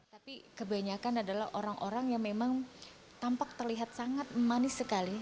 tapi kebanyakan adalah orang orang yang memang tampak terlihat sangat manis sekali